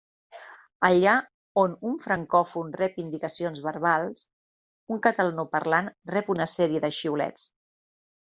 Allà on un francòfon rep indicacions verbals, un catalanoparlant rep una sèrie de xiulets.